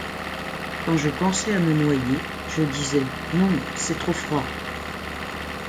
Quand je pensais à me noyer, je disais: Non, c’est trop froid.